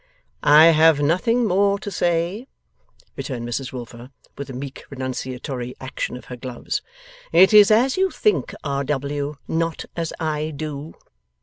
'I have nothing more to say,' returned Mrs Wilfer, with a meek renunciatory action of her gloves. 'It is as you think, R. W.; not as I do.